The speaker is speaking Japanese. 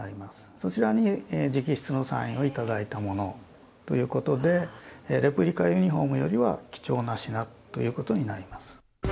そちらに直筆のサインを頂いたものということで、レプリカユニホームよりは貴重な品ということになります。